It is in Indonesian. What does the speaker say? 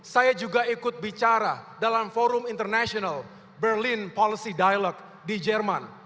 saya juga ikut bicara dalam forum international berlin policy dialogue di jerman